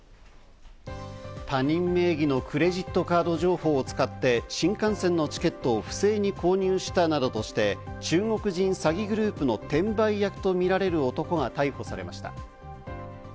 他人名義のクレジットカード情報を使って新幹線のチケットを不正に購入したなどとして、中国人詐欺グループの転売役とみられる男が逮捕されました。